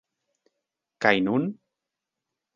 Kaj nun?